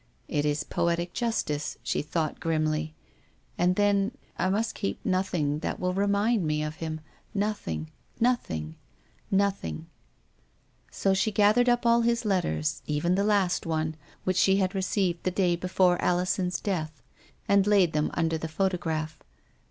" It is poetic justice," she thought grimly ;" and then — I must keep nothing that will remind me of him — nothing — nothing — nothing !" So she gathered up all his letters, even the last one, which she had received the day before Alison's death, and laid them under the photograph.